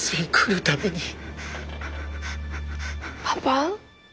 パパ